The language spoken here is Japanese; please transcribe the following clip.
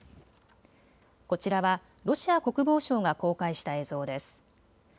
こちらはロシア国防省が公開した映像です。